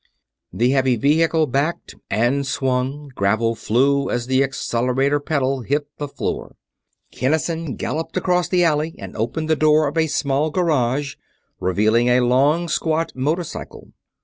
The heavy vehicle backed and swung; gravel flew as the accelerator pedal hit the floor. Kinnison galloped across the alley and opened the door of a small garage, revealing a long, squat motorcycle.